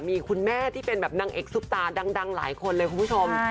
มีคุณแม่ที่เป็นแบบนางเอกซุปตาดังหลายคนเลยคุณผู้ชม